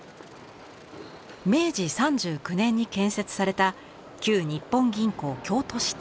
明治３９年に建設された旧日本銀行京都支店。